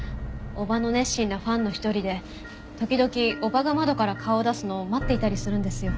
叔母の熱心なファンの一人で時々叔母が窓から顔を出すのを待っていたりするんですよ。